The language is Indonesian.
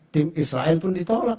tim israel pun ditolak